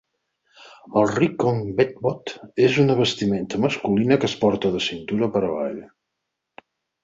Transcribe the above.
El "rikong vetvot" és una vestimenta masculina que es porta de cintura per avall.